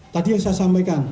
tadi yang saya sampaikan